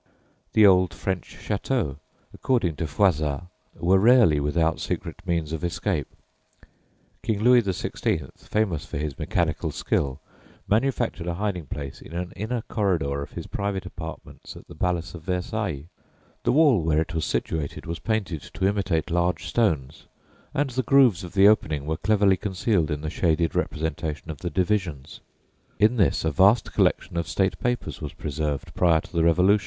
The old French châteaux, according to Froisart, were rarely without secret means of escape. King Louis XVI., famous for his mechanical skill, manufactured a hiding place in an inner corridor of his private apartments at the Palace of Versailles. The wall where it was situated was painted to imitate large stones, and the grooves of the opening were cleverly concealed in the shaded representations of the divisions. In this a vast collection of State papers was preserved prior to the Revolution.